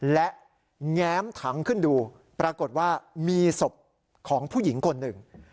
และแง้มถังขึ้นดูปรากฏว่ามีศพของผู้หญิงคนหนึ่ง